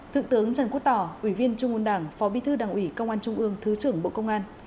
thượng tướng trần quốc tỏ ủy viên trung ương đảng phó bí thư đảng ủy công an trung ương thứ trưởng bộ công an